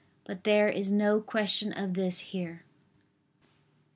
But there is no question of this here.